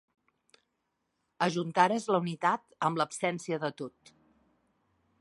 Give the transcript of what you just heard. Ajuntares la unitat amb l'absència de tot.